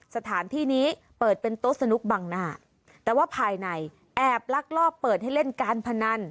สถานที่นี้เปิดเป็นโต๊ะสนุกบังหน้าแต่ว่าภายในแอบลักลอบเปิดให้เล่นการพนัน